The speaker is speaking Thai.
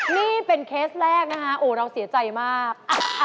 นี่เป็นเคสแรกนะคะโอ้เราเสียใจมาก